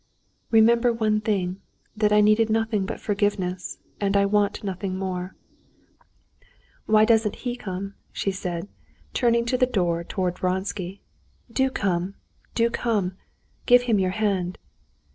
"Remember one thing, that I needed nothing but forgiveness, and I want nothing more.... Why doesn't he come?" she said, turning to the door towards Vronsky. "Do come, do come! Give him your hand."